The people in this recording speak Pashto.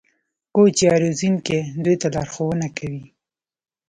کوچ یا روزونکی دوی ته لارښوونه کوي.